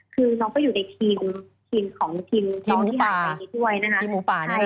คือน้องก็อยู่ในทีมของทีมที่หายไปด้วยนะคะ